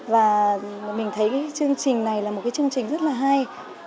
và mình thấy chương trình này là một cái chương trình rất là hay